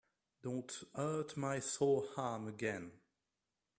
Don't hurt my sore arm again.